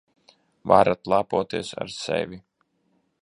Varat lepoties ar sevi.